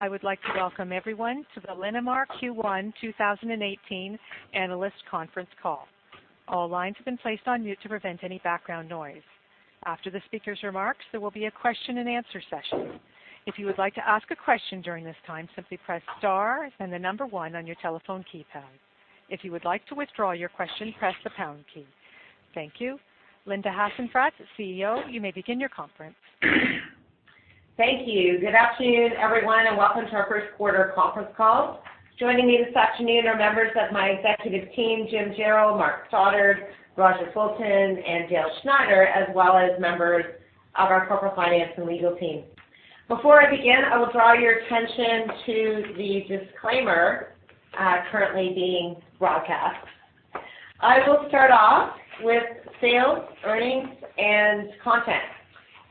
I would like to welcome everyone to the Linamar Q1 2018 analyst conference call. All lines have been placed on mute to prevent any background noise. After the speaker's remarks, there will be a question-and-answer session. If you would like to ask a question during this time, simply press star and the number one on your telephone keypad. If you would like to withdraw your question, press the pound key. Thank you. Linda Hasenfratz, CEO, you may begin your conference. Thank you. Good afternoon, everyone, and welcome to our first quarter conference call. Joining me this afternoon are members of my executive team, Jim Jarrell, Mark Stoddart, Roger Fulton, and Dale Schneider, as well as members of our corporate finance and legal team. Before I begin, I will draw your attention to the disclaimer currently being broadcast. I will start off with sales, earnings, and content.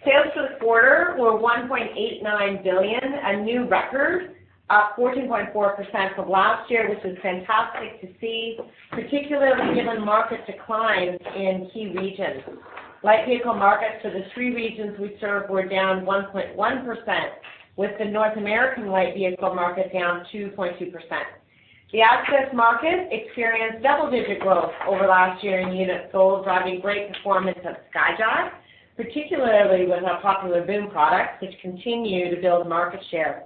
Sales for the quarter were 1.89 billion, a new record, up 14.4% from last year, which is fantastic to see, particularly given market declines in key regions. Light vehicle markets for the three regions we serve were down 1.1%, with the North American light vehicle market down 2.2%. The access market experienced double-digit growth over last year in unit sales, driving great performance at Skyjack, particularly with our popular boom products, which continue to build market share.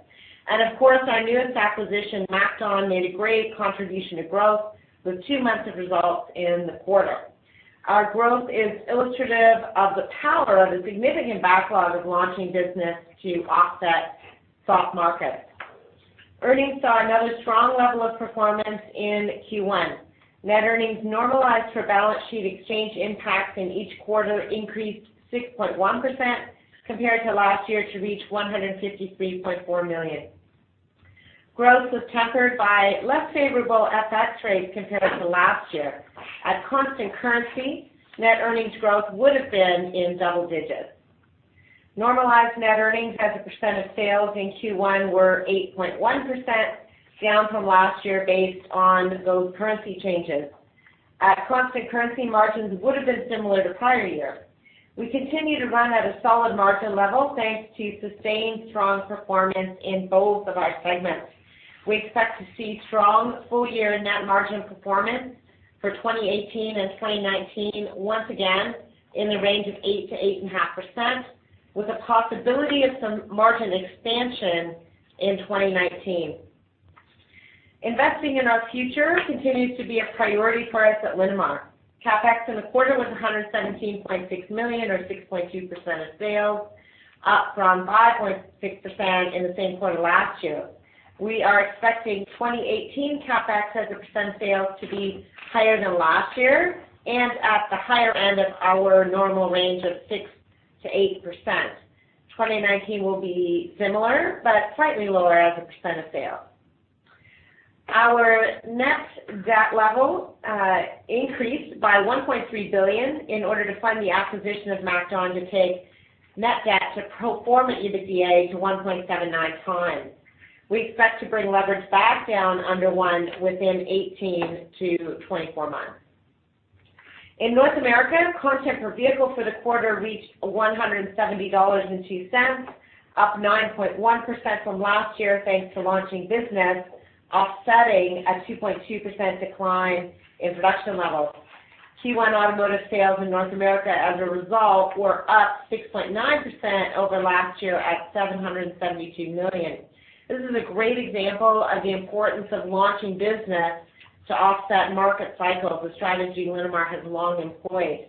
Of course, our newest acquisition, MacDon, made a great contribution to growth with two months of results in the quarter. Our growth is illustrative of the power of a significant backlog of launching business to offset soft markets. Earnings saw another strong level of performance in Q1. Net earnings normalized for balance sheet exchange impacts in each quarter increased 6.1% compared to last year to reach 153.4 million. Growth was tempered by less favorable FX rates compared to last year. At constant currency, net earnings growth would have been in double digits. Normalized net earnings as a percent of sales in Q1 were 8.1%, down from last year based on those currency changes. At constant currency, margins would have been similar to prior year. We continue to run at a solid margin level, thanks to sustained strong performance in both of our segments. We expect to see strong full-year net margin performance for 2018 and 2019, once again, in the range of 8%-8.5%, with a possibility of some margin expansion in 2019. Investing in our future continues to be a priority for us at Linamar. CapEx in the quarter was 117.6 million, or 6.2% of sales, up from 5.6% in the same quarter last year. We are expecting 2018 CapEx as a percent of sales to be higher than last year and at the higher end of our normal range of 6%-8%. 2019 will be similar, but slightly lower as a percent of sales. Our net debt level increased by 1.3 billion in order to fund the acquisition of MacDon to take net debt to pro forma EBITDA to 1.79x. We expect to bring leverage back down under one within 18-24 months. In North America, content per vehicle for the quarter reached $170.02, up 9.1% from last year, thanks to launching business, offsetting a 2.2% decline in production levels. Q1 automotive sales in North America, as a result, were up 6.9% over last year at $772 million. This is a great example of the importance of launching business to offset market cycles, a strategy Linamar has long employed.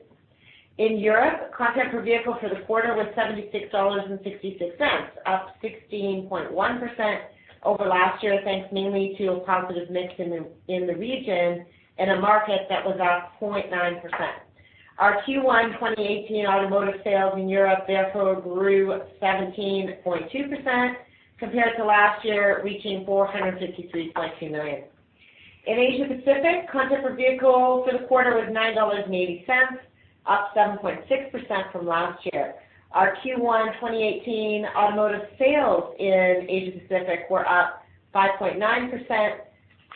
In Europe, content per vehicle for the quarter was $76.66, up 16.1% over last year, thanks mainly to a positive mix in the region and a market that was up 0.9%. Our Q1 2018 automotive sales in Europe therefore grew 17.2% compared to last year, reaching $453.2 million. In Asia Pacific, content per vehicle for the quarter was $9.80, up 7.6% from last year. Our Q1 2018 automotive sales in Asia Pacific were up 5.9%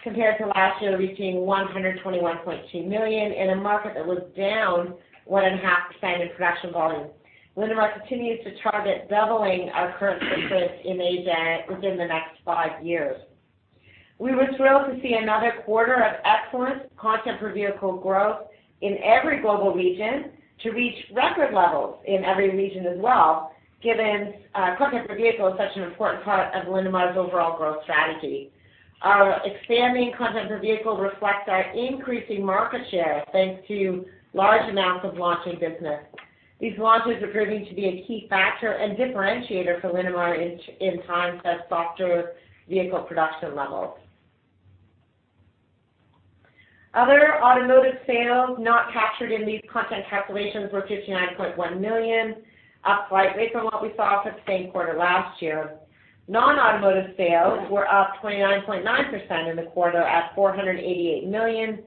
compared to last year, reaching 121.2 million in a market that was down 1.5% in production volume. Linamar continues to target doubling our current footprint in Asia within the next 5 years. We were thrilled to see another quarter of excellent content per vehicle growth in every global region to reach record levels in every region as well, given, content per vehicle is such an important part of Linamar's overall growth strategy. Our expanding content per vehicle reflects our increasing market share, thanks to large amounts of launching business. These launches are proving to be a key factor and differentiator for Linamar in, in times of softer vehicle production levels. Other automotive sales not captured in these content calculations were 59.1 million, up slightly from what we saw for the same quarter last year. Non-automotive sales were up 29.9% in the quarter at 488 million,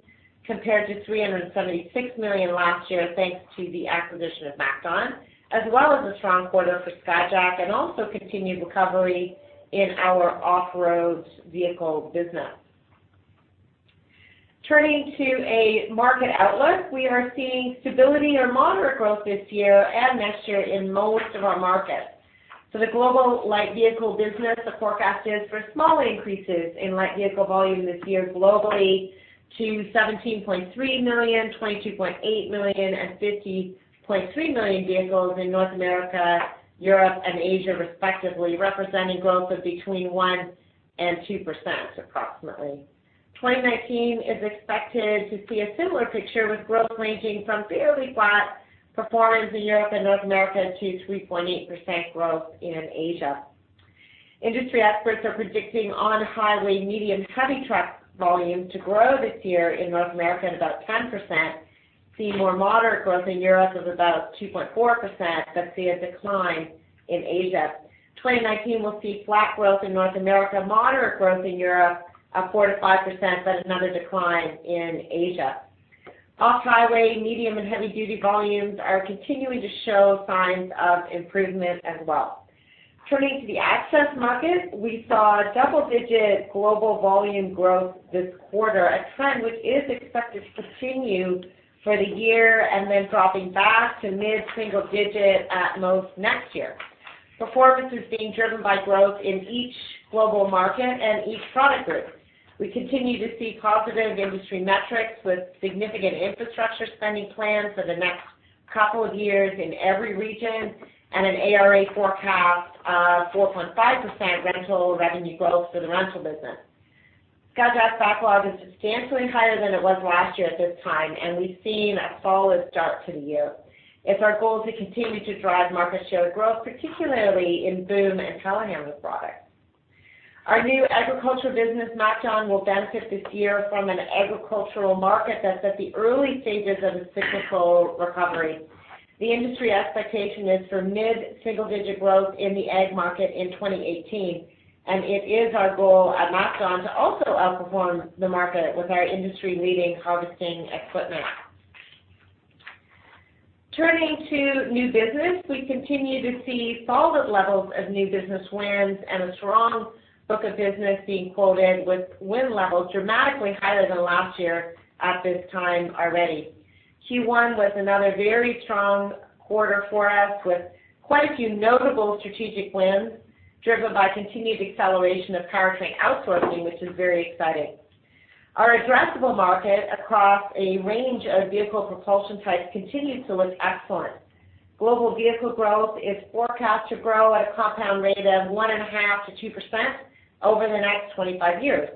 compared to 376 million last year, thanks to the acquisition of MacDon, as well as a strong quarter for Skyjack and also continued recovery in our off-road vehicle business. Turning to a market outlook, we are seeing stability or moderate growth this year and next year in most of our markets. So the global light vehicle business, the forecast is for small increases in light vehicle volume this year globally to 17.3 million, 22.8 million, and 50.3 million vehicles in North America, Europe, and Asia, respectively, representing growth of between 1% and 2% approximately. 2019 is expected to see a similar picture, with growth ranging from fairly flat performance in Europe and North America to 3.8% growth in Asia. Industry experts are predicting on-highway, medium, heavy truck volumes to grow this year in North America at about 10%, see more moderate growth in Europe of about 2.4%, but see a decline in Asia. 2019 will see flat growth in North America, moderate growth in Europe of 4%-5%, but another decline in Asia. Off-highway, medium and heavy-duty volumes are continuing to show signs of improvement as well. Turning to the access market, we saw double-digit global volume growth this quarter, a trend which is expected to continue for the year and then dropping back to mid-single digit at most next year. Performance is being driven by growth in each global market and each product group. We continue to see positive industry metrics with significant infrastructure spending plans for the next couple of years in every region, and an ARA forecast of 4.5% rental revenue growth for the rental business. Skyjack's backlog is substantially higher than it was last year at this time, and we've seen a solid start to the year. It's our goal to continue to drive market share growth, particularly in boom and telehandlers products. Our new agricultural business, MacDon, will benefit this year from an agricultural market that's at the early stages of a cyclical recovery. The industry expectation is for mid-single-digit growth in the ag market in 2018, and it is our goal at MacDon to also outperform the market with our industry-leading harvesting equipment. Turning to new business, we continue to see solid levels of new business wins and a strong book of business being quoted, with win levels dramatically higher than last year at this time already. Q1 was another very strong quarter for us, with quite a few notable strategic wins, driven by continued acceleration of powertrain outsourcing, which is very exciting. Our addressable market across a range of vehicle propulsion types continues to look excellent. Global vehicle growth is forecast to grow at a compound rate of 1.5%-2% over the next 25 years.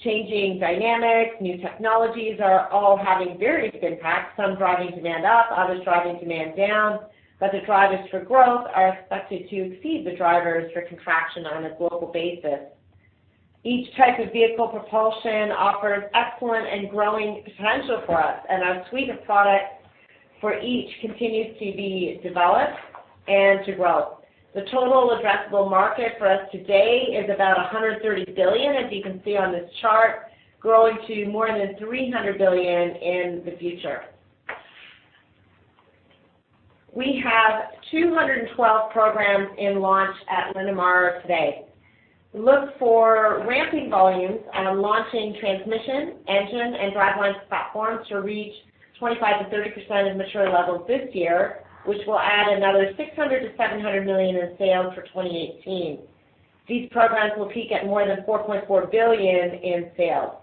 Changing dynamics, new technologies are all having various impacts, some driving demand up, others driving demand down, but the drivers for growth are expected to exceed the drivers for contraction on a global basis. Each type of vehicle propulsion offers excellent and growing potential for us, and our suite of products for each continues to be developed and to grow. The total addressable market for us today is about 130 billion, as you can see on this chart, growing to more than 300 billion in the future. We have 212 programs in launch at Linamar today. Look for ramping volumes out of launching transmission, engine, and driveline platforms to reach 25%-30% of mature levels this year, which will add another 600-700 million in sales for 2018. These programs will peak at more than 4.4 billion in sales.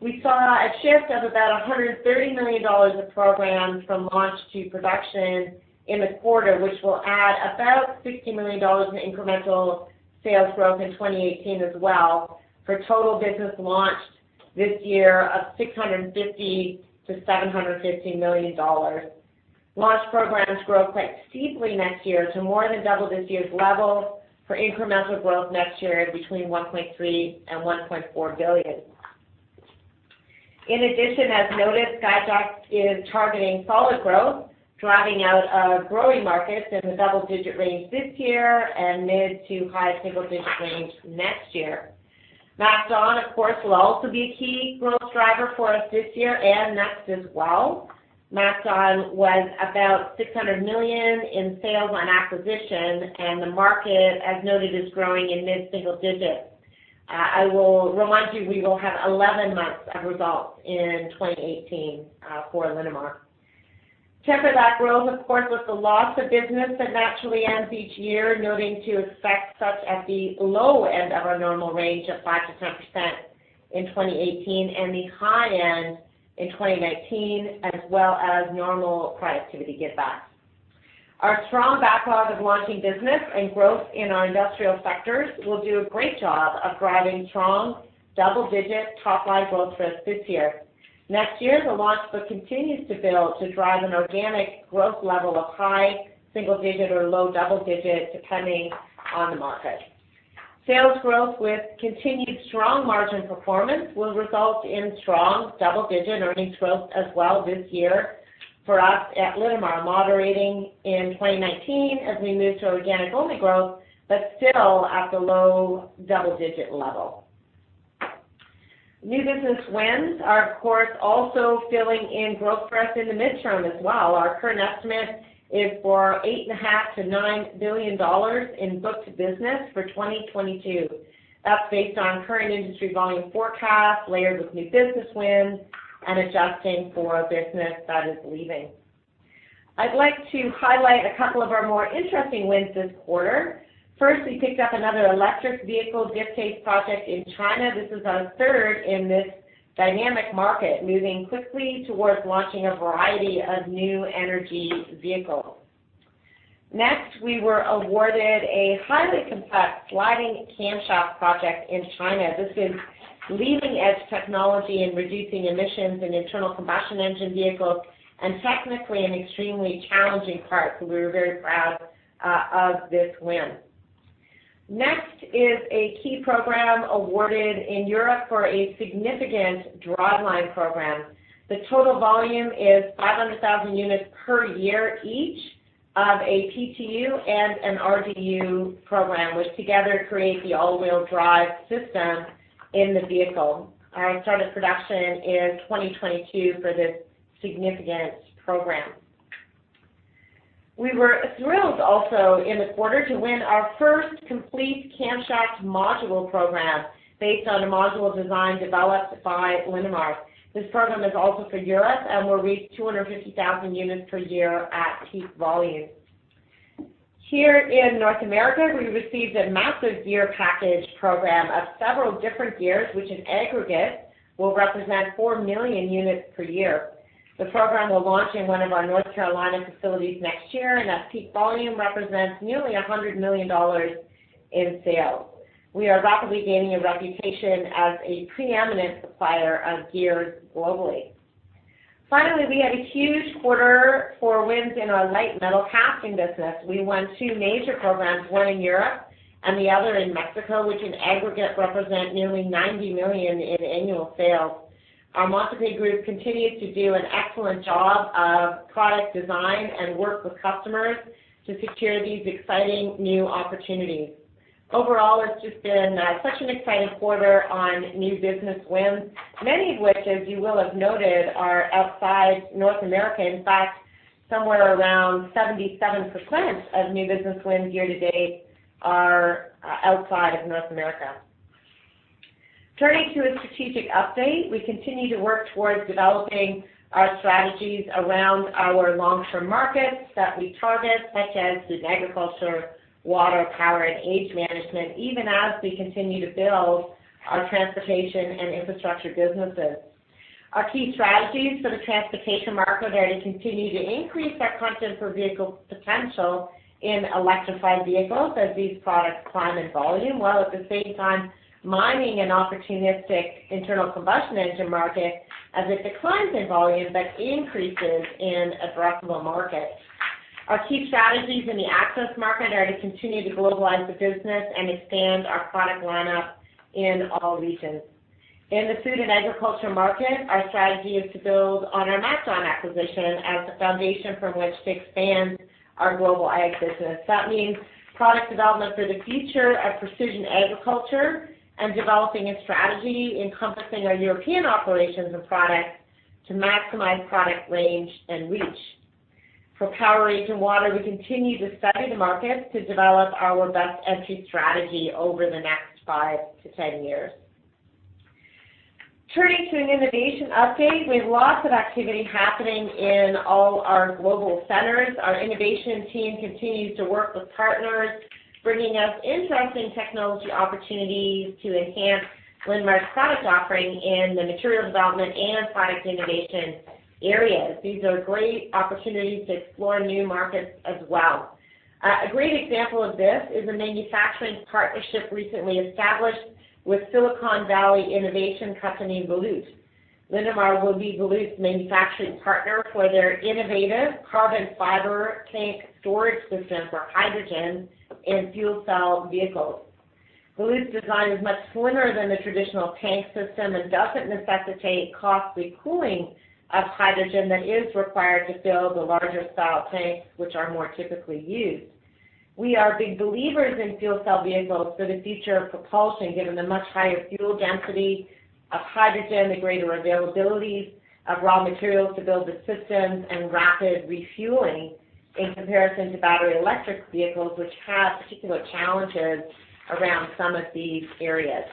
We saw a shift of about 130 million dollars of programs from launch to production in the quarter, which will add about 60 million dollars in incremental sales growth in 2018 as well, for total business launched this year of 650 million-750 million dollars. Launch programs grow quite steeply next year to more than double this year's level for incremental growth next year between 1.3 billion and 1.4 billion. In addition, as noted, Skyjack is targeting solid growth, driving out of growing markets in the double-digit range this year and mid to high single-digit range next year. MacDon, of course, will also be a key growth driver for us this year and next as well. MacDon was about 600 million in sales on acquisition, and the market, as noted, is growing in mid-single digits. I will remind you, we will have 11 months of results in 2018 for Linamar. Temper that growth, of course, with the loss of business that naturally ends each year, noting to expect such at the low end of our normal range of 5%-10% in 2018 and the high end in 2019, as well as normal productivity give back. Our strong backlog of launching business and growth in our industrial sectors will do a great job of driving strong double-digit top-line growth for us this year. Next year, the launch book continues to build to drive an organic growth level of high single-digit or low double-digit, depending on the market. Sales growth with continued strong margin performance will result in strong double-digit earnings growth as well this year for us at Linamar, moderating in 2019 as we move to organic-only growth, but still at the low double-digit level. New business wins are, of course, also filling in growth for us in the midterm as well. Our current estimate is for 8.5 billion-9 billion dollars in booked business for 2022. That's based on current industry volume forecasts, layered with new business wins and adjusting for business that is leaving. I'd like to highlight a couple of our more interesting wins this quarter. First, we picked up another electric vehicle die-cast project in China. This is our third in this dynamic market, moving quickly towards launching a variety of new energy vehicles. Next, we were awarded a highly complex sliding camshaft project in China. This is leading-edge technology in reducing emissions in internal combustion engine vehicles and technically an extremely challenging part, so we're very proud of this win. Next is a key program awarded in Europe for a significant driveline program. The total volume is 500,000 units per year, each of a PTU and an RDU program, which together create the all-wheel drive system in the vehicle. Start of production in 2022 for this significant program. We were thrilled also in the quarter to win our first complete camshaft module program based on a module design developed by Linamar. This program is also for Europe and will reach 250,000 units per year at peak volume. Here in North America, we received a massive gear package program of several different gears, which in aggregate will represent 4,000,000 units per year. The program will launch in one of our North Carolina facilities next year, and at peak volume represents nearly 100 million dollars in sales. We are rapidly gaining a reputation as a preeminent supplier of gears globally. Finally, we had a huge quarter for wins in our light metal casting business. We won two major programs, one in Europe and the other in Mexico, which in aggregate represent nearly 90 million in annual sales. Our Montupet group continues to do an excellent job of product design and work with customers to secure these exciting new opportunities. Overall, it's just been such an exciting quarter on new business wins, many of which, as you will have noted, are outside North America. In fact, somewhere around 77% of new business wins year to date are outside of North America. Turning to a strategic update, we continue to work towards developing our strategies around our long-term markets that we target, such as food, agriculture, water, power, and age management, even as we continue to build our transportation and infrastructure businesses. Our key strategies for the transportation market are to continue to increase our content for vehicle potential in electrified vehicles as these products climb in volume, while at the same time mining an opportunistic internal combustion engine market as it declines in volume, but increases in addressable markets. Our key strategies in the access market are to continue to globalize the business and expand our product lineup in all regions. In the food and agriculture market, our strategy is to build on our MacDon acquisition as the foundation from which to expand our global ag business. That means product development for the future of precision agriculture and developing a strategy encompassing our European operations and products to maximize product range and reach. For power, ag, and water, we continue to study the market to develop our best entry strategy over the next five to 10 years. Turning to an innovation update, we have lots of activity happening in all our global centers. Our innovation team continues to work with partners, bringing us interesting technology opportunities to enhance Linamar's product offering in the material development and product innovation areas. These are great opportunities to explore new markets as well. A great example of this is a manufacturing partnership recently established with Silicon Valley innovation company, Volute. Linamar will be Volute's manufacturing partner for their innovative carbon fiber tank storage system for hydrogen and fuel cell vehicles. Volute's design is much slimmer than the traditional tank system and doesn't necessitate costly cooling of hydrogen that is required to fill the larger style tanks, which are more typically used. We are big believers in fuel cell vehicles for the future of propulsion, given the much higher fuel density of hydrogen, the greater availability of raw materials to build the systems, and rapid refueling in comparison to battery electric vehicles, which have particular challenges around some of these areas.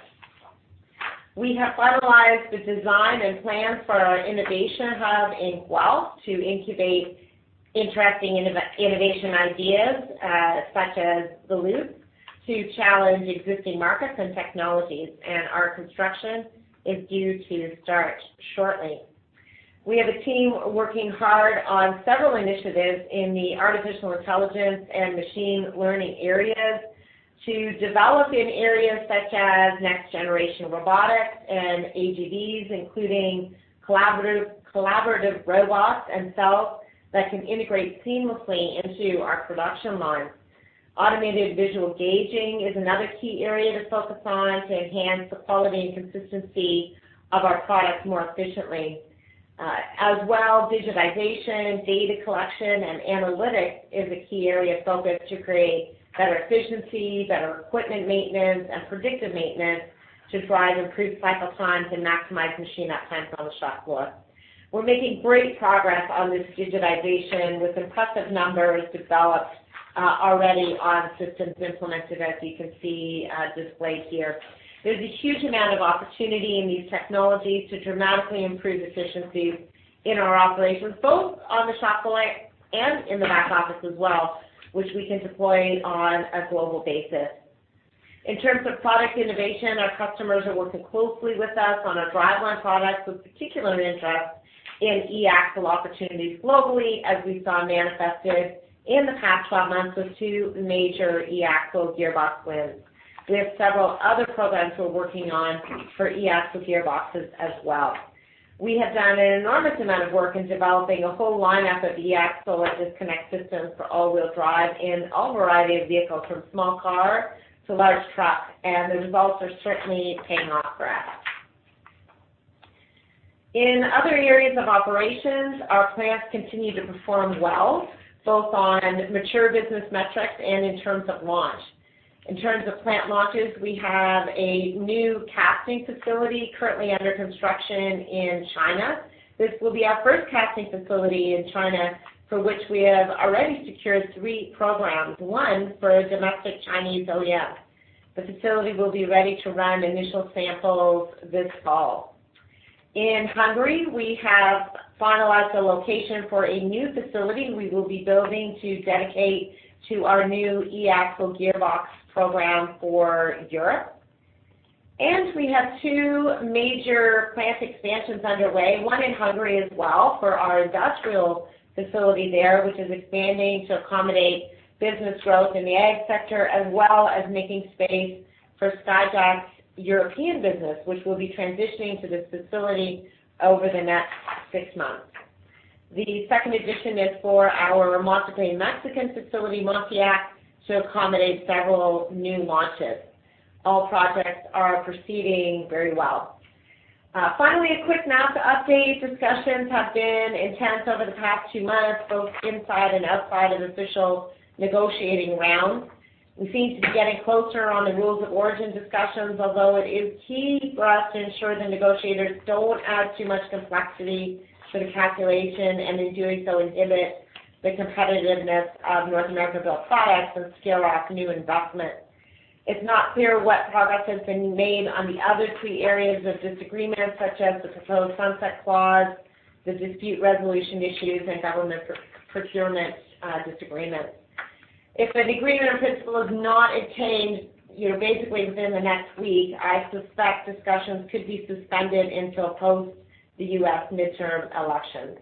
We have finalized the design and plans for our innovation hub in Guelph to incubate interesting innovation ideas, such as Volute, to challenge existing markets and technologies, and our construction is due to start shortly. We have a team working hard on several initiatives in the artificial intelligence and machine learning areas to develop in areas such as next-generation robotics and AGVs, including collaborative, collaborative robots and cells that can integrate seamlessly into our production lines. Automated visual gauging is another key area to focus on to enhance the quality and consistency of our products more efficiently. As well, digitization, data collection, and analytics is a key area of focus to create better efficiency, better equipment maintenance, and predictive maintenance to drive improved cycle times and maximize machine uptime on the shop floor. We're making great progress on this digitization, with impressive numbers developed already on systems implemented, as you can see, displayed here. There's a huge amount of opportunity in these technologies to dramatically improve efficiency in our operations, both on the shop floor and in the back office as well, which we can deploy on a global basis. In terms of product innovation, our customers are working closely with us on our driveline products, with particular interest in e-axle opportunities globally, as we saw manifested in the past 12 months with 2 major e-axle gearbox wins. We have several other programs we're working on for e-axle gearboxes as well. We have done an enormous amount of work in developing a whole lineup of e-axle and disconnect systems for all-wheel drive in all variety of vehicles, from small car to large truck, and the results are certainly paying off for us. In other areas of operations, our plants continue to perform well, both on mature business metrics and in terms of launch. In terms of plant launches, we have a new casting facility currently under construction in China. This will be our first casting facility in China, for which we have already secured three programs, one for a domestic Chinese OEM. The facility will be ready to run initial samples this fall. In Hungary, we have finalized a location for a new facility we will be building to dedicate to our new e-axle gearbox program for Europe. We have two major plant expansions underway, one in Hungary as well, for our industrial facility there, which is expanding to accommodate business growth in the ag sector, as well as making space for Skyjack's European business, which will be transitioning to this facility over the next six months. The second addition is for our Monclova, Mexico facility, Montupet, to accommodate several new launches. All projects are proceeding very well. Finally, a quick NAFTA update. Discussions have been intense over the past two months, both inside and outside of official negotiating rounds. We seem to be getting closer on the rules of origin discussions, although it is key for us to ensure the negotiators don't add too much complexity to the calculation, and in doing so, inhibit the competitiveness of North America-built products and scare off new investment. It's not clear what progress has been made on the other three areas of disagreement, such as the proposed sunset clause, the dispute resolution issues, and government procurement disagreement. If an agreement in principle is not attained, you know, basically within the next week, I suspect discussions could be suspended until post the U.S. midterm elections.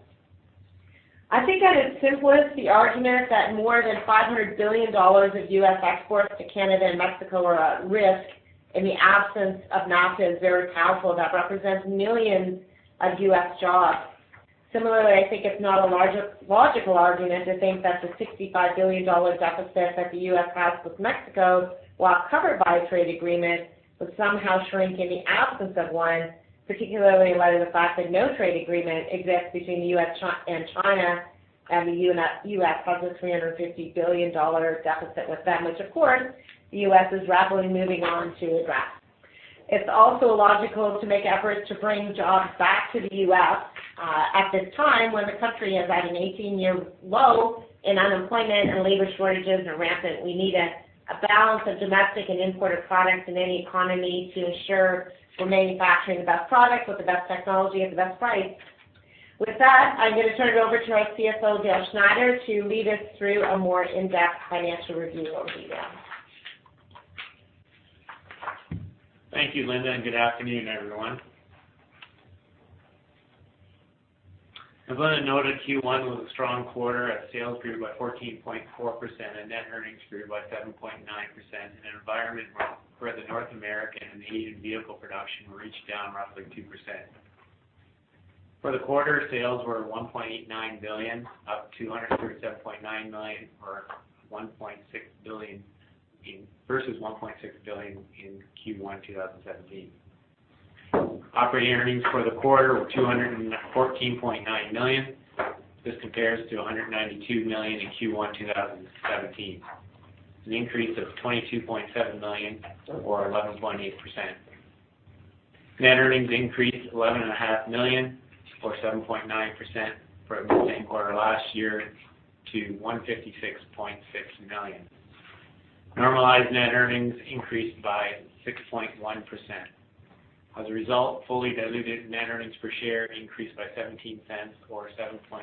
I think at its simplest, the argument that more than $500 billion of U.S. exports to Canada and Mexico are at risk in the absence of NAFTA is very powerful, that represents millions of U.S. jobs. Similarly, I think it's not a illogical argument to think that the $65 billion deficit that the U.S. has with Mexico, while covered by a trade agreement, would somehow shrink in the absence of one, particularly in light of the fact that no trade agreement exists between U.S. and China, and the U.S. has a $350 billion deficit with them, which, of course, the U.S. is rapidly moving on to address. It's also logical to make efforts to bring jobs back to the U.S., at this time, when the country is at an 18-year low in unemployment and labor shortages are rampant. We need a balance of domestic and imported products in any economy to ensure we're manufacturing the best products with the best technology at the best price. With that, I'm going to turn it over to our CFO, Dale Schneider, to lead us through a more in-depth financial review of detail. Thank you, Linda, and good afternoon, everyone. As Linda noted, Q1 was a strong quarter as sales grew by 14.4% and net earnings grew by 7.9% in an environment where the North American and Asian vehicle production reached down roughly 2%. For the quarter, sales were 1.89 billion, up 237.9 million, or 1.6 billion- I mean, versus 1.6 billion in Q1 2017. Operating earnings for the quarter were 214.9 million. This compares to 192 million in Q1 2017, an increase of 22.7 million, or 11.8%. Net earnings increased 11.5 million, or 7.9%, from the same quarter last year to 156.6 million. Normalized net earnings increased by 6.1%. As a result, fully diluted net earnings per share increased by 0.17 or 7.7%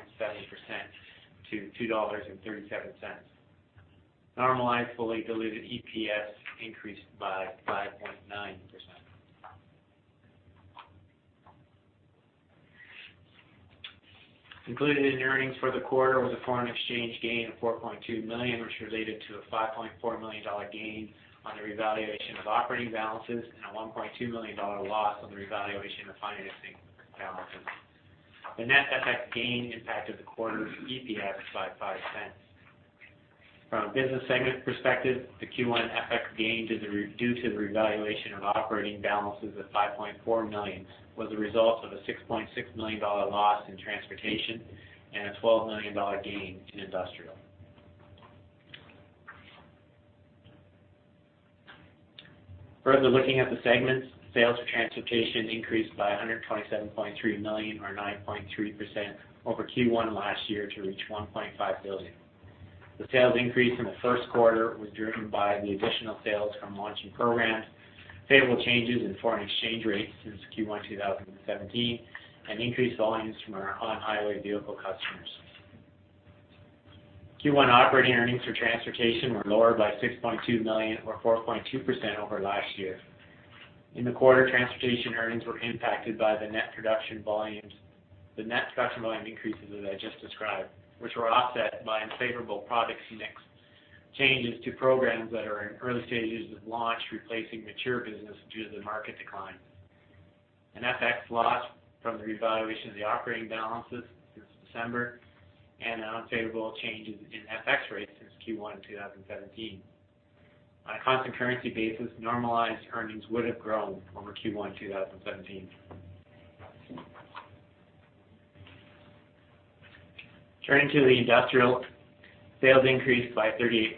to 2.37 dollars. Normalized fully diluted EPS increased by 5.9%. Included in the earnings for the quarter was a foreign exchange gain of 4.2 million, which related to a 5.4 million dollar gain on the revaluation of operating balances and a 1.2 million dollar loss on the revaluation of financing balances. The net FX gain impacted the quarter's EPS by 0.05. From a business segment perspective, the Q1 FX gain due to the revaluation of operating balances of 5.4 million was a result of a 6.6 million dollar loss in transportation and a 12 million dollar gain in industrial. Further looking at the segments, sales for transportation increased by 127.3 million, or 9.3% over Q1 last year to reach 1.5 billion. The sales increase in the first quarter was driven by the additional sales from launching programs, favorable changes in foreign exchange rates since Q1 2017, and increased volumes from our on-highway vehicle customers.... Q1 operating earnings for transportation were lower by 6.2 million or 4.2% over last year. In the quarter, transportation earnings were impacted by the net production volumes, the net production volume increases that I just described, which were offset by unfavorable products mix, changes to programs that are in early stages of launch, replacing mature business due to the market decline. An FX loss from the revaluation of the operating balances since December, and unfavorable changes in FX rates since Q1 2017. On a constant currency basis, normalized earnings would have grown over Q1 2017. Turning to the industrial, sales increased by 38.6%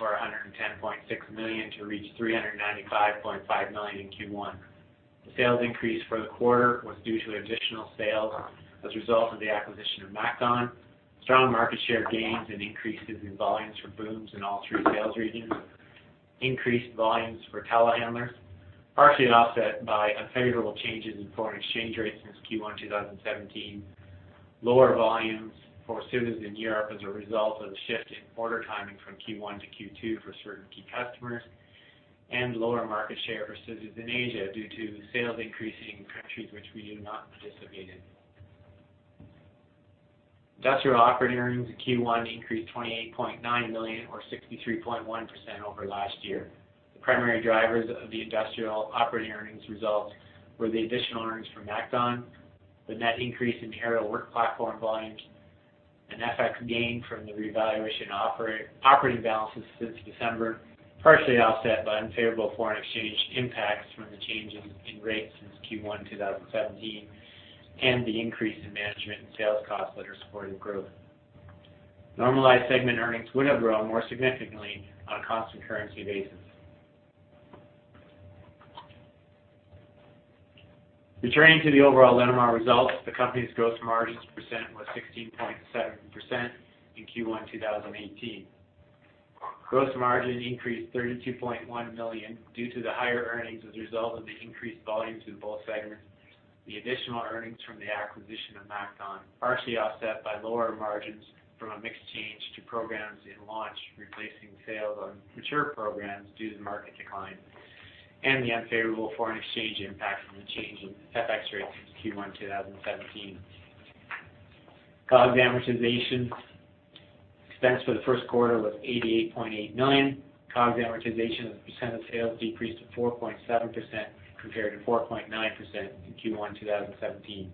or 110.6 million to reach 395.5 million in Q1. The sales increase for the quarter was due to additional sales as a result of the acquisition of MacDon, strong market share gains and increases in volumes for booms in all three sales regions, increased volumes for telehandlers, partially offset by unfavorable changes in foreign exchange rates since Q1 2017. Lower volumes for scissors in Europe as a result of the shift in order timing from Q1 to Q2 for certain key customers, and lower market share for scissors in Asia due to sales increasing in countries which we do not participate in. Industrial operating earnings in Q1 increased 28.9 million or 63.1% over last year. The primary drivers of the industrial operating earnings results were the additional earnings from MacDon, the net increase in aerial work platform volumes, and FX gain from the revaluation operating balances since December, partially offset by unfavorable foreign exchange impacts from the changes in rates since Q1 2017, and the increase in management and sales costs that are supporting growth. Normalized segment earnings would have grown more significantly on a constant currency basis. Returning to the overall Linamar results, the company's gross margins percent was 16.7% in Q1 2018. Gross margin increased 32.1 million due to the higher earnings as a result of the increased volumes in both segments, the additional earnings from the acquisition of MacDon, partially offset by lower margins from a mix change to programs in launch, replacing sales on mature programs due to the market decline, and the unfavorable foreign exchange impact from the change in FX rates since Q1 2017. COGS mortization expense for the first quarter was 88.8 million. COGS amortization as a percent of sales decreased to 4.7%, compared to 4.9% in Q1 2017.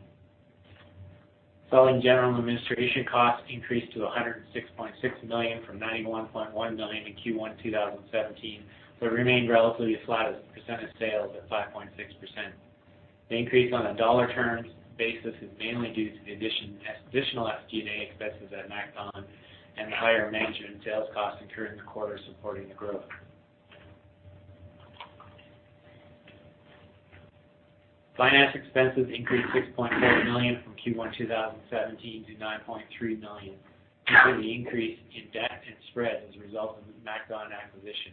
Selling, general, and administration costs increased to 106.6 million from 91.1 million in Q1 2017, but remained relatively flat as a percent of sales at 5.6%. The increase on a dollar terms basis is mainly due to the additional SG&A expenses at MacDon and higher management and sales costs incurred in the quarter supporting the growth. Finance expenses increased 6.4 million from Q1 2017 to 9.3 million, due to the increase in debt and spreads as a result of the MacDon acquisition.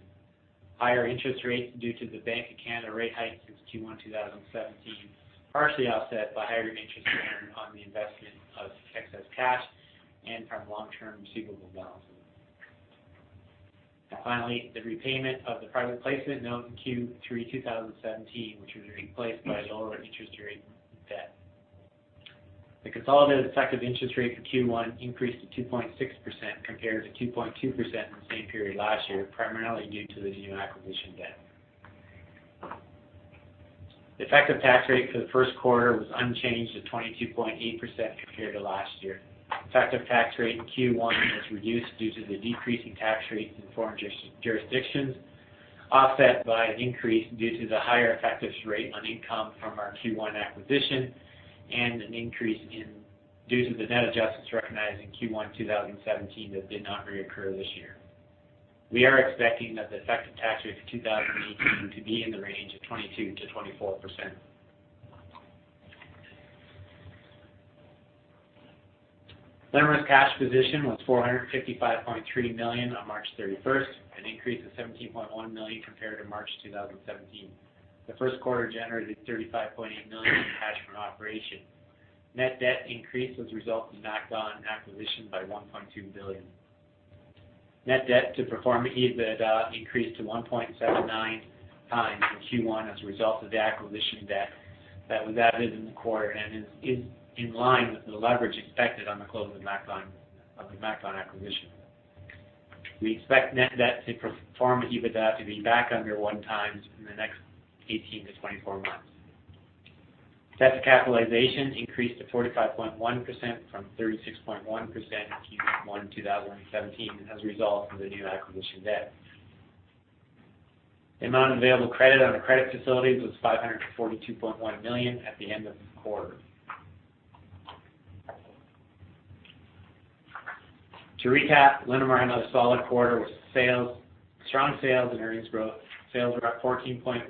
Higher interest rates due to the Bank of Canada rate hike since Q1 2017, partially offset by higher interest earned on the investment of excess cash and from long-term receivable balances. Finally, the repayment of the private placement note in Q3 2017, which was replaced by lower interest rate debt. The consolidated effective interest rate for Q1 increased to 2.6% compared to 2.2% in the same period last year, primarily due to the new acquisition debt. The effective tax rate for the first quarter was unchanged at 22.8% compared to last year. Effective tax rate in Q1 was reduced due to the decrease in tax rates in foreign jurisdictions, offset by an increase due to the higher effective rate on income from our Q1 acquisition and an increase due to the net adjustments recognized in Q1 2017 that did not reoccur this year. We are expecting that the effective tax rate for 2018 to be in the range of 22%-24%. Linamar's cash position was 455.3 million on March 31, an increase of 17.1 million compared to March 2017. The first quarter generated 35.8 million in cash from operations. Net debt increased as a result of MacDon acquisition by 1.2 billion. Net debt to pro forma EBITDA increased to 1.79x in Q1 as a result of the acquisition debt that was added in the quarter and is in line with the leverage expected on the close of the MacDon acquisition. We expect net debt to pro forma EBITDA to be back under 1x in the next 18-24 months. Debt to capitalization increased to 45.1% from 36.1% in Q1 2017, as a result of the new acquisition debt. The amount of available credit on the credit facilities was 542.1 million at the end of the quarter. To recap, Linamar had a solid quarter with sales, strong sales and earnings growth. Sales were up 14.1, 14.4%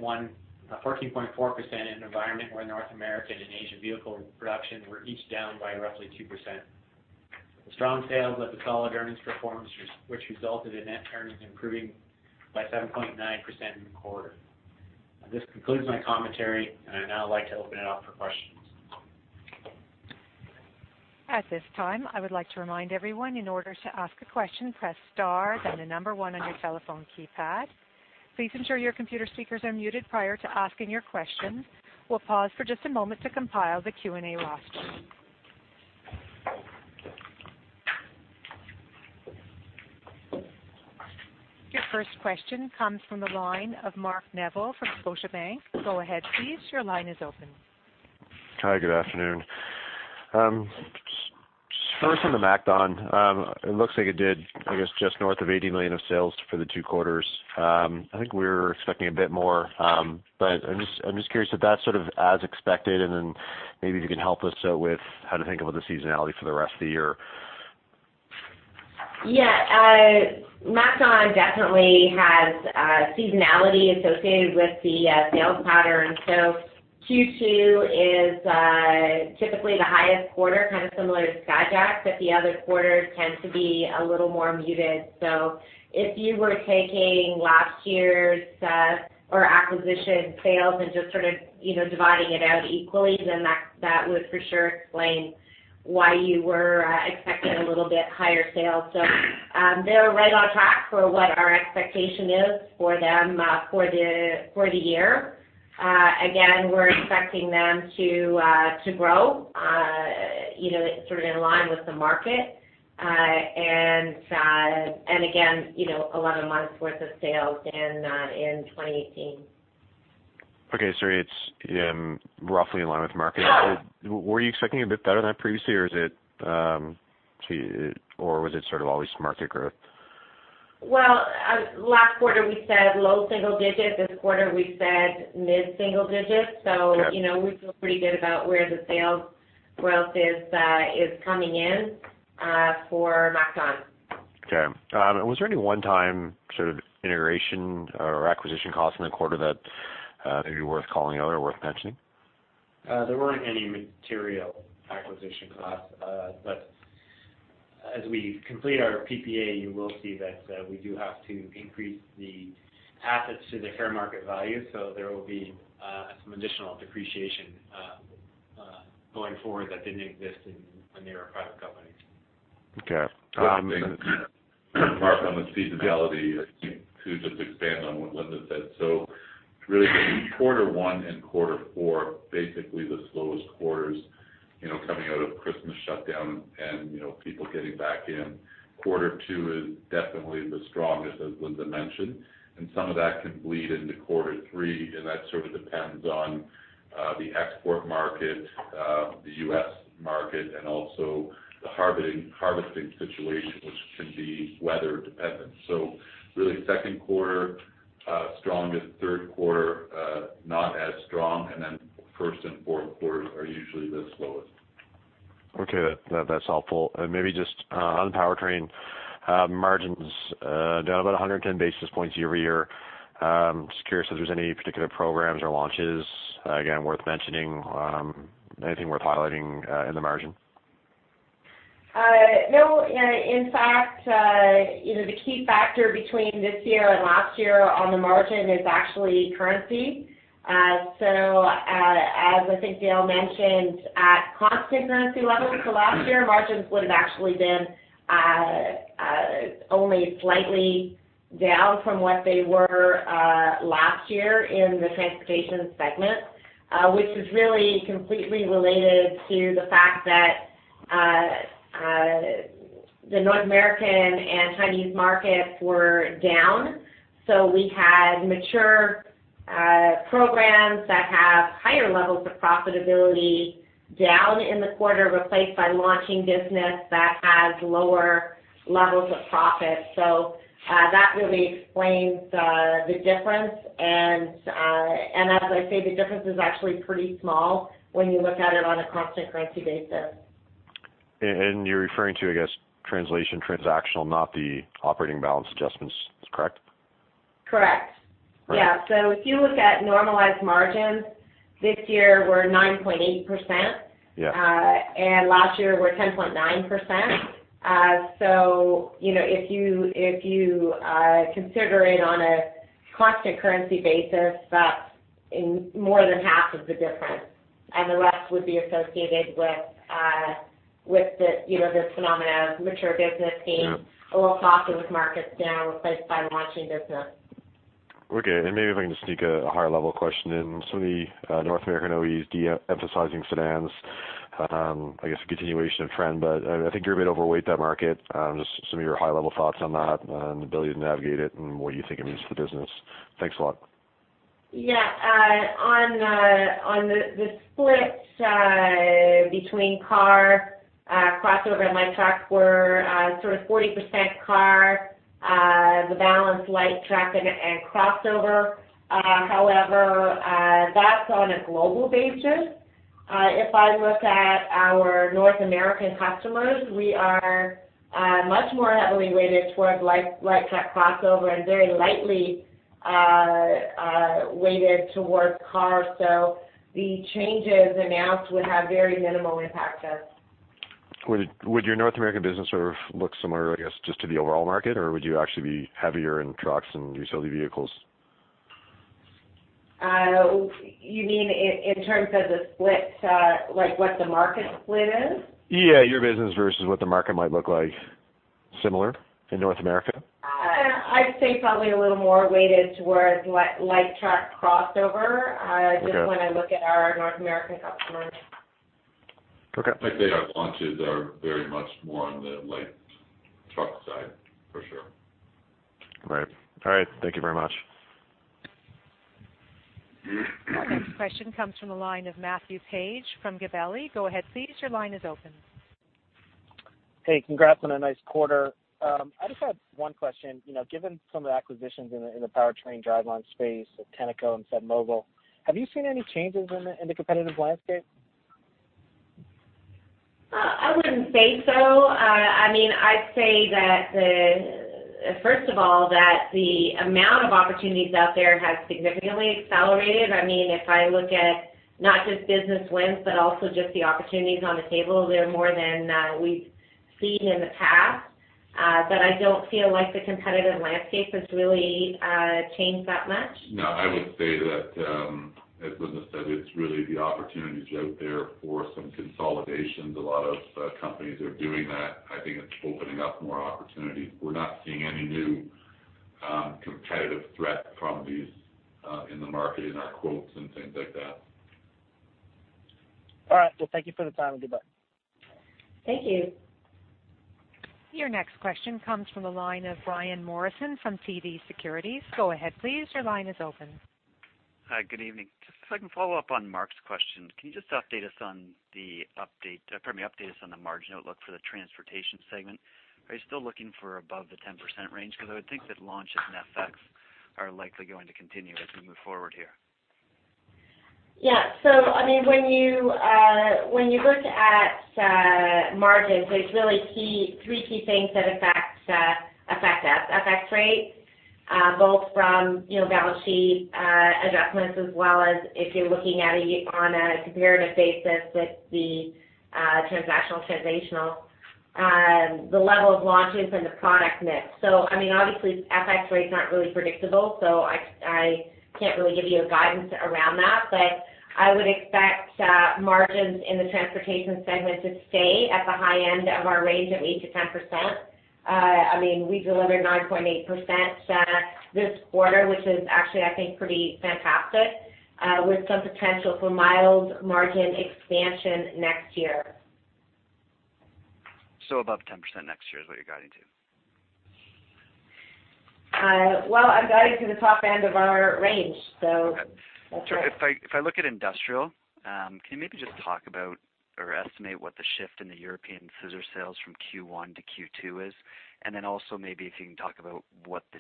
in an environment where North American and Asia vehicle production were each down by roughly 2%. The strong sales left a solid earnings performance, which resulted in net earnings improving by 7.9% in the quarter. This concludes my commentary, and I'd now like to open it up for questions. At this time, I would like to remind everyone, in order to ask a question, press star, then the number one on your telephone keypad. Please ensure your computer speakers are muted prior to asking your questions. We'll pause for just a moment to compile the Q&A roster. Your first question comes from the line of Mark Neville from Scotiabank. Go ahead, please. Your line is open. Hi, good afternoon. First on the MacDon, it looks like it did, I guess, just north of 80 million of sales for the two quarters. I think we were expecting a bit more, but I'm just curious if that's sort of as expected, and then maybe if you can help us out with how to think about the seasonality for the rest of the year? Yeah, MacDon definitely has seasonality associated with the sales pattern. So Q2 is typically the highest quarter, kind of similar to Skyjack, but the other quarters tend to be a little more muted. So if you were taking last year's or acquisition sales and just sort of, you know, dividing it out equally, then that would for sure explain why you were expecting a little bit higher sales. So, they're right on track for what our expectation is for them, for the year. Again, we're expecting them to grow, you know, sort of in line with the market. And again, you know, a lot of months worth of sales in 2018. Okay, so it's roughly in line with market. Were you expecting a bit better than that previously, or is it, or was it sort of always market growth? Well, last quarter, we said low single digits. This quarter, we said mid single digits. Okay. You know, we feel pretty good about where the sales growth is coming in for MacDon. Okay. Was there any one time sort of integration or acquisition costs in the quarter that, maybe worth calling out or worth mentioning? There weren't any material acquisition costs. But as we complete our PPA, you will see that we do have to increase the assets to the fair market value, so there will be some additional depreciation going forward that didn't exist in when they were a private company. Okay. Mark, on the seasonality, to just expand on what Linda said. So really, quarter one and quarter four, basically the slowest quarters, you know, coming out of Christmas shutdown and, you know, people getting back in. Quarter two is definitely the strongest, as Linda mentioned, and some of that can bleed into quarter three, and that sort of depends on the export market, the U.S. market, and also the harvesting situation, which can be weather dependent. So really, second quarter, strongest, third quarter, not as strong, and then first and fourth quarters are usually the slowest. Okay, that's helpful. And maybe just on the powertrain margins, down about 110 basis points year-over-year. Just curious if there's any particular programs or launches, again, worth mentioning, anything worth highlighting in the margin? No. In fact, you know, the key factor between this year and last year on the margin is actually currency. So, as I think Dale mentioned, at constant currency levels, so last year, margins would have actually been only slightly down from what they were last year in the transportation segment. Which is really completely related to the fact that the North American and Chinese markets were down. So we had mature programs that have higher levels of profitability down in the quarter, replaced by launching business that has lower levels of profit. So, that really explains the difference. And as I say, the difference is actually pretty small when you look at it on a constant currency basis. You're referring to, I guess, translation, transactional, not the operating balance adjustments? That's correct? Correct. Right. Yeah. So if you look at normalized margins, this year we're 9.8%. Yeah. And last year, we're 10.9%. So you know, if you consider it on a constant currency basis, that's in more than half of the difference, and the rest would be associated with the, you know, the phenomena of mature business being- Yeah... a little softer with markets down, replaced by launching business. Okay, and maybe if I can just sneak a higher level question in. Some of the North American OE is de-emphasizing sedans, I guess, a continuation of trend, but I think you're a bit overweight that market. Just some of your high-level thoughts on that and the ability to navigate it, and what you think it means for the business. Thanks a lot. Yeah, on the split between car, crossover and light trucks were sort of 40% car, the balance light truck and crossover. However, that's on a global basis. If I look at our North American customers, we are much more heavily weighted towards light truck crossover and very lightly weighted towards cars. So the changes announced would have very minimal impact to us. ... Would your North American business sort of look similar, I guess, just to the overall market? Or would you actually be heavier in trucks and utility vehicles? You mean in terms of the split, like what the market split is? Yeah, your business versus what the market might look like. Similar in North America? I'd say probably a little more weighted towards light truck crossover. Okay. Just when I look at our North American customers. Okay. I think their launches are very much more on the light truck side, for sure. Right. All right. Thank you very much. Our next question comes from the line of Matthew Page from Gabelli. Go ahead, please. Your line is open. Hey, congrats on a nice quarter. I just had one question. You know, given some of the acquisitions in the, in the powertrain driveline space at Tenneco and Federal-Mogul, have you seen any changes in the, in the competitive landscape? I wouldn't say so. I mean, I'd say that the, first of all, that the amount of opportunities out there has significantly accelerated. I mean, if I look at not just business wins, but also just the opportunities on the table, they're more than we've seen in the past. But I don't feel like the competitive landscape has really changed that much. No, I would say that, as Linda said, it's really the opportunities out there for some consolidations. A lot of companies are doing that. I think it's opening up more opportunities. We're not seeing any new competitive threat from these in the market, in our quotes and things like that. All right, well, thank you for the time, and goodbye. Thank you. Your next question comes from the line of Brian Morrison from TD Securities. Go ahead, please. Your line is open. Hi, good evening. Just if I can follow up on Mark's question, can you just update us on the update, pardon me, update us on the margin outlook for the transportation segment? Are you still looking for above the 10% range? Because I would think that launches and FX are likely going to continue as we move forward here. Yeah. So I mean, when you when you look at margins, there's really three key things that affect us, FX rate both from, you know, balance sheet adjustments, as well as if you're looking at it on a comparative basis with the transactional, translational, the level of launches and the product mix. So, I mean, obviously, FX rate is not really predictable, so I can't really give you a guidance around that. But I would expect margins in the transportation segment to stay at the high end of our range of 8%-10%. I mean, we delivered 9.8% this quarter, which is actually, I think, pretty fantastic, with some potential for mild margin expansion next year. Above 10% next year is what you're guiding to? Well, I'm guiding to the top end of our range, so- Okay. That's right. If I look at industrial, can you maybe just talk about or estimate what the shift in the European scissor sales from Q1 to Q2 is? And then also, maybe if you can talk about what the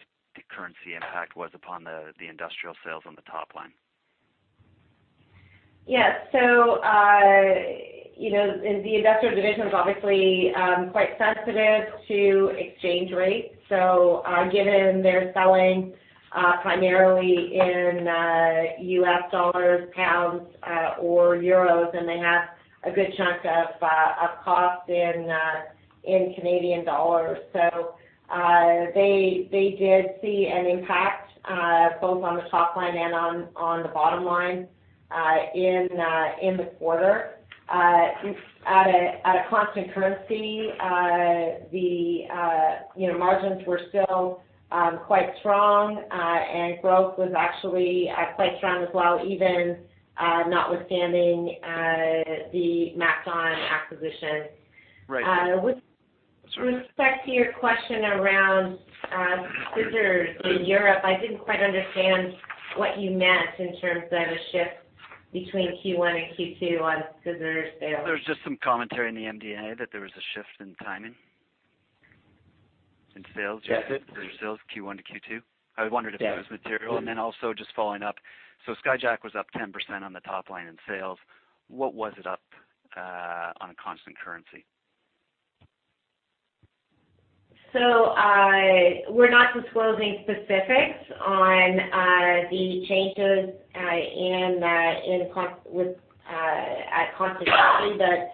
currency impact was upon the industrial sales on the top line. Yes. So, you know, the industrial division is obviously quite sensitive to exchange rates. So, given they're selling primarily in US dollars, pounds, or euros, and they have a good chunk of cost in Canadian dollars. So, they did see an impact both on the top line and on the bottom line in the quarter. At a constant currency, you know, the margins were still quite strong, and growth was actually quite strong as well, even notwithstanding the MacDon acquisition. Right. With respect to your question around scissors in Europe, I didn't quite understand what you meant in terms of a shift between Q1 and Q2 on scissors sales. There was just some commentary in the MDA that there was a shift in timing, in sales- Yes. Scissor sales, Q1 to Q2. I wondered if that was material. Yes. Then also just following up, so Skyjack was up 10% on the top line in sales. What was it up on a constant currency? So, we're not disclosing specifics on the changes in constant currency. But,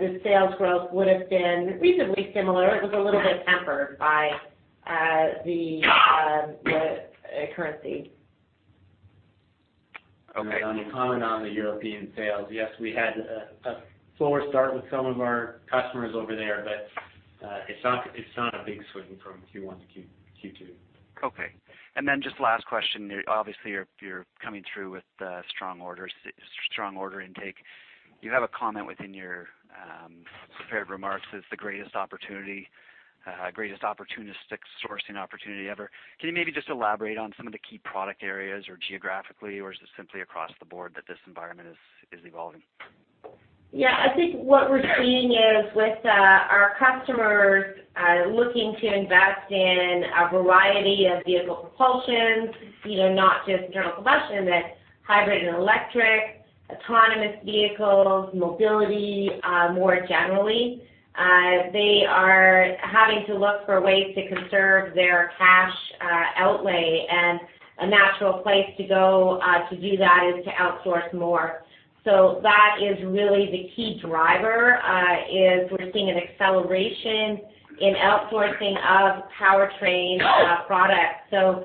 the sales growth would have been reasonably similar. It was a little bit tempered by the currency. Okay. On your comment on the European sales, yes, we had a slower start with some of our customers over there, but it's not a big swing from Q1 to Q2. Okay. And then just last question, obviously, you're coming through with strong orders, strong order intake. You have a comment within your prepared remarks, it's the greatest opportunity, greatest opportunistic sourcing opportunity ever. Can you maybe just elaborate on some of the key product areas or geographically, or is this simply across the board that this environment is evolving? Yeah, I think what we're seeing is with our customers looking to invest in a variety of vehicle propulsions, you know, not just internal combustion, but hybrid and electric, autonomous vehicles, mobility more generally... They are having to look for ways to conserve their cash outlay, and a natural place to go to do that is to outsource more. So that is really the key driver is we're seeing an acceleration in outsourcing of powertrain products. So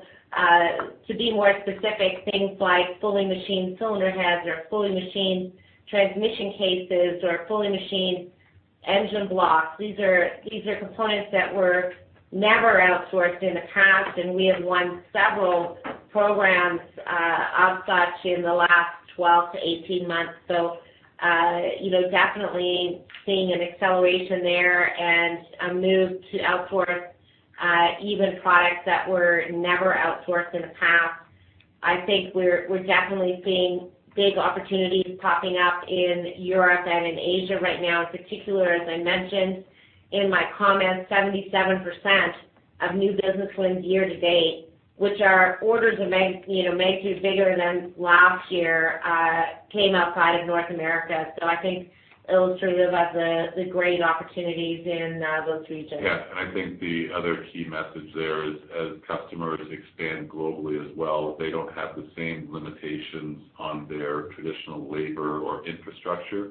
to be more specific, things like fully machined cylinder heads or fully machined transmission cases or fully machined engine blocks. These are, these are components that were never outsourced in the past, and we have won several programs of such in the last 12-18 months. So, you know, definitely seeing an acceleration there and a move to outsource, even products that were never outsourced in the past. I think we're, we're definitely seeing big opportunities popping up in Europe and in Asia right now. In particular, as I mentioned in my comments, 77% of new business wins year to date, which are orders of magnitude bigger than last year, came outside of North America. So I think illustrative of the, the great opportunities in, those regions. Yes, and I think the other key message there is, as customers expand globally as well, they don't have the same limitations on their traditional labor or infrastructure,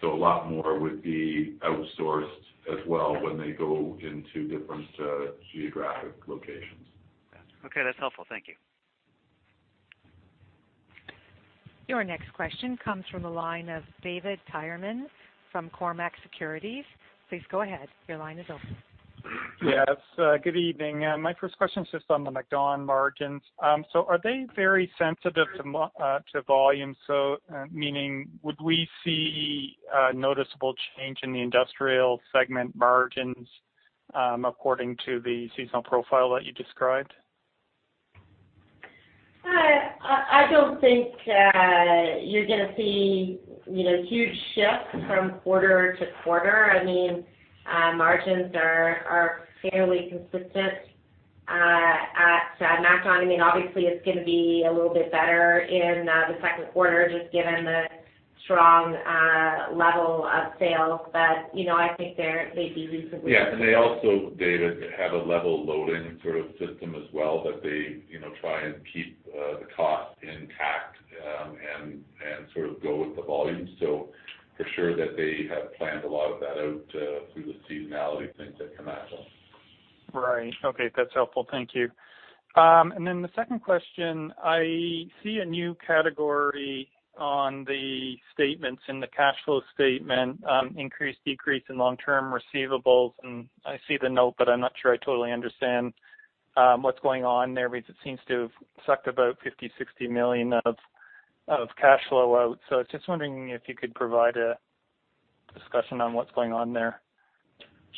so a lot more would be outsourced as well when they go into different geographic locations. Okay, that's helpful. Thank you. Your next question comes from the line of David Tyerman from Cormark Securities. Please go ahead. Your line is open. Yes, good evening. My first question is just on the MacDon margins. So, are they very sensitive to volume? So, meaning, would we see a noticeable change in the industrial segment margins, according to the seasonal profile that you described? I don't think you're gonna see, you know, huge shifts from quarter to quarter. I mean, margins are fairly consistent at MacDon. I mean, obviously, it's gonna be a little bit better in the second quarter, just given the strong level of sales. But, you know, I think they're maybe reasonably- Yeah, and they also, David, have a level loading sort of system as well, that they, you know, try and keep the cost intact, and sort of go with the volume. So for sure that they have planned a lot of that out through the seasonality things at MacDon. Right. Okay, that's helpful. Thank you. And then the second question: I see a new category on the statements in the cash flow statement, increase, decrease in long-term receivables, and I see the note, but I'm not sure I totally understand, what's going on there. But it seems to have sucked about 50 million-60 million of, of cash flow out. So I was just wondering if you could provide a discussion on what's going on there.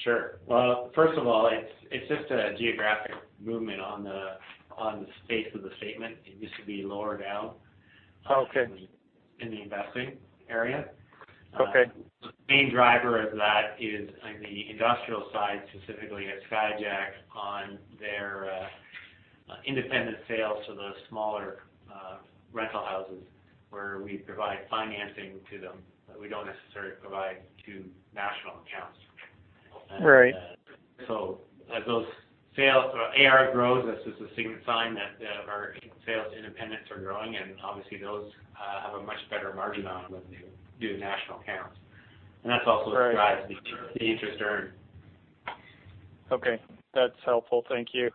Sure. Well, first of all, it's just a geographic movement on the face of the statement. It used to be lower down- Okay - in the investing area. Okay. The main driver of that is on the industrial side, specifically at Skyjack, on their independent sales to the smaller rental houses, where we provide financing to them, but we don't necessarily provide to national accounts. Right. So as those sales or AR grows, this is a significant sign that, that our sales independents are growing, and obviously, those have a much better margin on them than you do national accounts. Right. That's also what drives the interest earned. Okay, that's helpful. Thank you.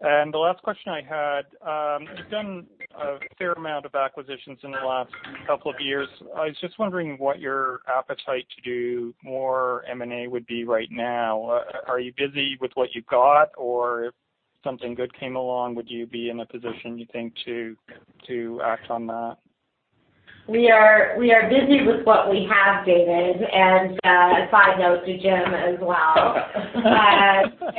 And the last question I had, you've done a fair amount of acquisitions in the last couple of years. I was just wondering what your appetite to do more M&A would be right now. Are you busy with what you've got, or if something good came along, would you be in a position, you think, to act on that? We are busy with what we have, David, and a side note to Jim as well. So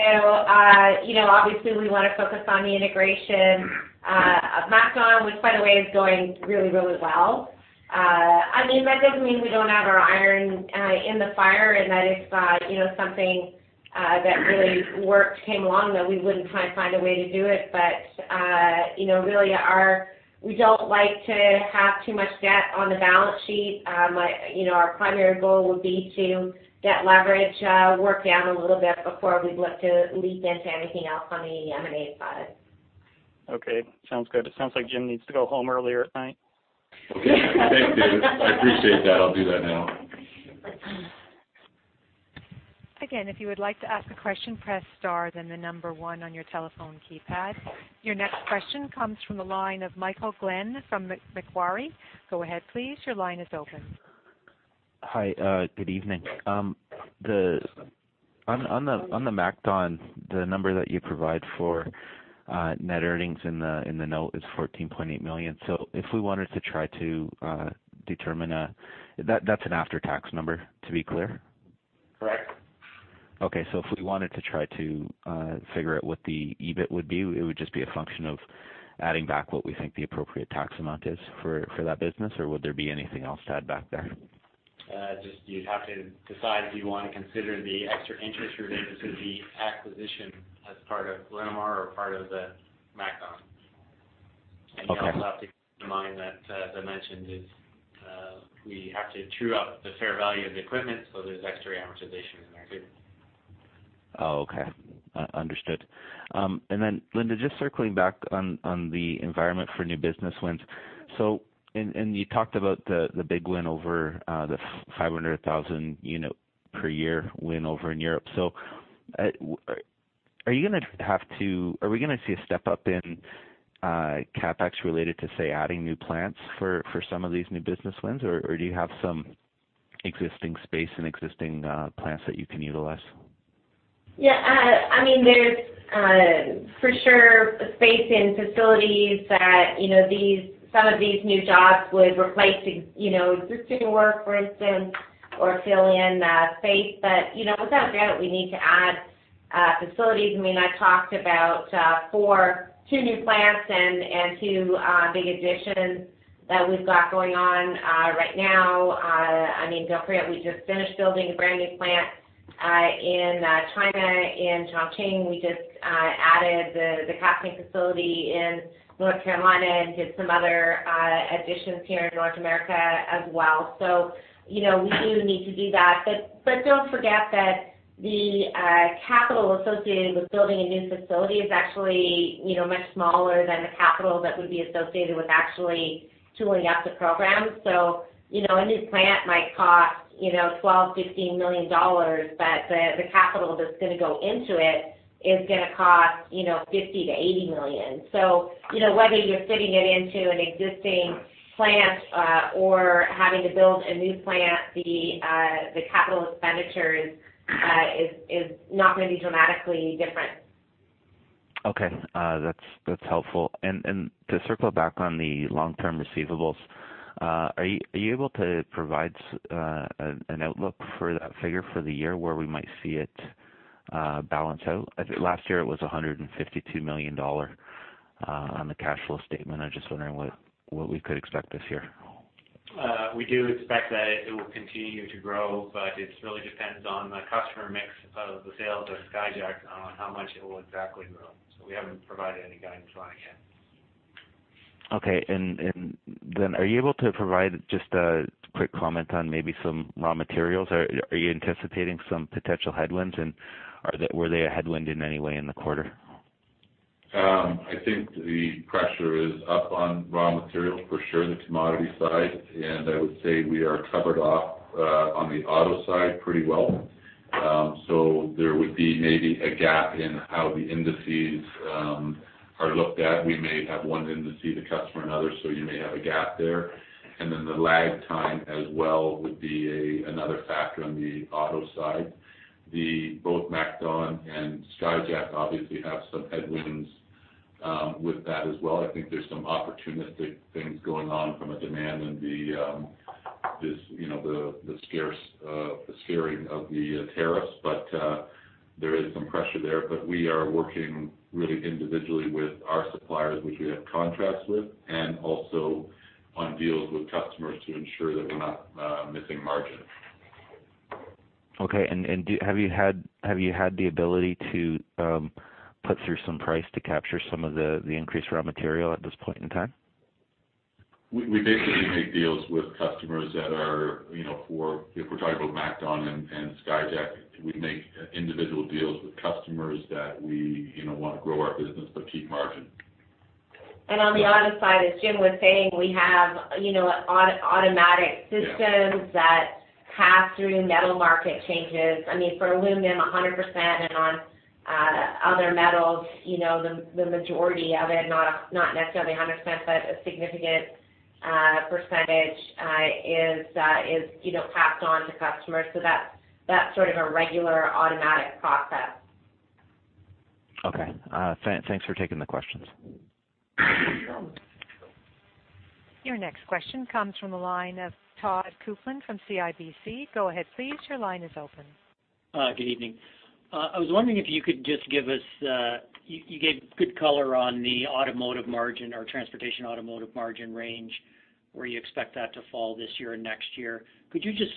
you know, obviously we want to focus on the integration of MacDon, which, by the way, is going really, really well. I mean, that doesn't mean we don't have our iron in the fire, and that if you know, something that really worked came along, that we wouldn't try and find a way to do it. But you know, really. We don't like to have too much debt on the balance sheet. Like you know, our primary goal would be to get leverage work down a little bit before we'd look to leap into anything else on the M&A side. Okay, sounds good. It sounds like Jim needs to go home earlier tonight. Okay. Thanks, David. I appreciate that. I'll do that now. Again, if you would like to ask a question, press star, then the number one on your telephone keypad. Your next question comes from the line of Michael Glen from Macquarie. Go ahead, please. Your line is open. Hi, good evening. On the MacDon, the number that you provide for net earnings in the note is 14.8 million. So if we wanted to try to determine, that's an after-tax number, to be clear? Correct. Okay. So if we wanted to try to figure out what the EBIT would be, it would just be a function of adding back what we think the appropriate tax amount is for that business, or would there be anything else to add back there? Just you'd have to decide if you want to consider the extra interest related to the acquisition as part of Linamar or part of the MacDon. And you also have to keep in mind that, as I mentioned, we have to true up the fair value of the equipment, so there's extra amortization in there, too. Oh, okay. Understood. And then, Linda, just circling back on the environment for new business wins. So, and you talked about the big win over the 500,000, you know, per year win over in Europe. So, are you gonna have to—are we gonna see a step-up in CapEx related to, say, adding new plants for some of these new business wins, or do you have some existing space and existing plants that you can utilize? Yeah, I mean, there's for sure space in facilities that, you know, these—some of these new jobs would replace, you know, existing work, for instance, or fill in space. But, you know, without a doubt, we need to add facilities. I mean, I've talked about 4, 2 new plants and two big additions that we've got going on right now. I mean, don't forget, we just finished building a brand-new plant in China, in Chongqing. We just added the casting facility in North Carolina and did some other additions here in North America as well. So, you know, we do need to do that. But don't forget that the capital associated with building a new facility is actually, you know, much smaller than the capital that would be associated with actually tooling up the program. So, you know, a new plant might cost, you know, 12 million-15 million dollars, but the capital that's gonna go into it is gonna cost, you know, 50 million-80 million. So, you know, whether you're fitting it into an existing plant or having to build a new plant, the capital expenditures is not gonna be dramatically different. Okay, that's helpful. And to circle back on the long-term receivables, are you able to provide an outlook for that figure for the year, where we might see it balance out? I think last year it was 152 million dollars on the cash flow statement. I'm just wondering what we could expect this year. We do expect that it will continue to grow, but it really depends on the customer mix of the sales of Skyjack on how much it will exactly grow. So we haven't provided any guidance on it yet. Okay. And then are you able to provide just a quick comment on maybe some raw materials? Are you anticipating some potential headwinds, and are they, were they a headwind in any way in the quarter? I think the pressure is up on raw materials for sure, the commodity side, and I would say we are covered off on the auto side pretty well. So there would be maybe a gap in how the indices are looked at. We may have one index, the customer, another, so you may have a gap there. And then the lag time as well would be another factor on the auto side. Both MacDon and Skyjack obviously have some headwinds with that as well. I think there's some opportunistic things going on from a demand and the, you know, the scarce scaring of the tariffs, but there is some pressure there. We are working really individually with our suppliers, which we have contracts with, and also on deals with customers to ensure that we're not missing margins. Okay. And do you have the ability to put through some price to capture some of the increased raw material at this point in time? We basically make deals with customers that are, you know, for... If we're talking about MacDon and Skyjack, we make individual deals with customers that we, you know, want to grow our business, but keep margin. On the auto side, as Jim was saying, we have, you know, automatic- Yeah - systems that pass through metal market changes. I mean, for aluminum, 100%, and on other metals, you know, the majority of it, not necessarily 100%, but a significant percentage is, you know, passed on to customers. So that's sort of a regular automatic process. Okay. Thanks for taking the questions. Your next question comes from the line of Todd Coupland from CIBC. Go ahead, please. Your line is open. Good evening. I was wondering if you could just give us, you, you gave good color on the automotive margin or transportation automotive margin range, where you expect that to fall this year and next year. Could you just,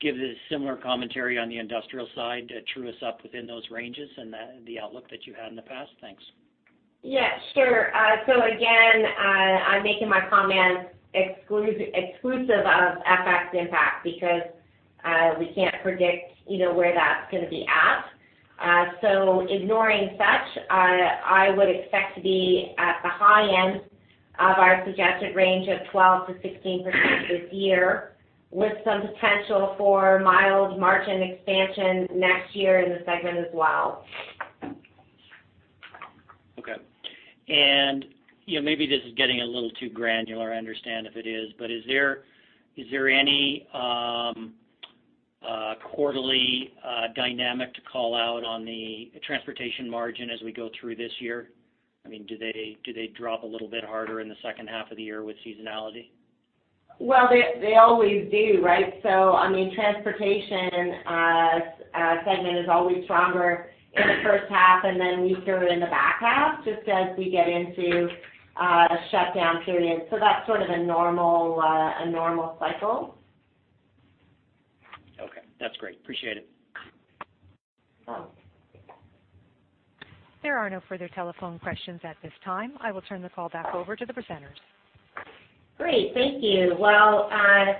give a similar commentary on the industrial side to true us up within those ranges and the, the outlook that you had in the past? Thanks. Yeah, sure. So again, I'm making my comments exclusive of FX impact, because we can't predict, you know, where that's gonna be at. So ignoring such, I would expect to be at the high end of our suggested range of 12%-16% this year, with some potential for mild margin expansion next year in the segment as well. Okay. You know, maybe this is getting a little too granular. I understand if it is, but is there any quarterly dynamic to call out on the transportation margin as we go through this year? I mean, do they drop a little bit harder in the second half of the year with seasonality? Well, they, they always do, right? So, I mean, transportation segment is always stronger in the first half, and then we steer it in the back half, just as we get into a shutdown period. So that's sort of a normal, a normal cycle. Okay, that's great. Appreciate it. There are no further telephone questions at this time. I will turn the call back over to the presenters. Great, thank you. Well, as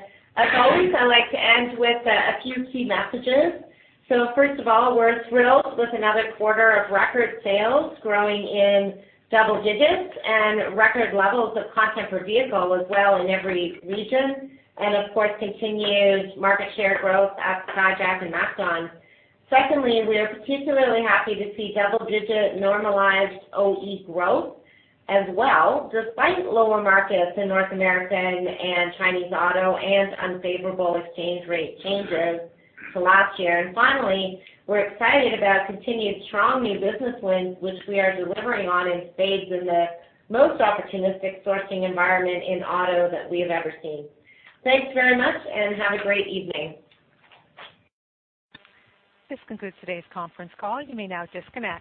always, I'd like to end with a few key messages. So first of all, we're thrilled with another quarter of record sales growing in double digits, and record levels of content per vehicle as well in every region, and of course, continued market share growth at Skyjack and MacDon. Secondly, we are particularly happy to see double-digit normalized OE growth as well, despite lower markets in North American and Chinese auto and unfavorable exchange rate changes to last year. And finally, we're excited about continued strong new business wins, which we are delivering on in spades in the most opportunistic sourcing environment in auto that we have ever seen. Thanks very much, and have a great evening. This concludes today's conference call. You may now disconnect.